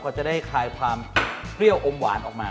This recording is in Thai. ก็จะได้คลายความเปรี้ยวอมหวานออกมา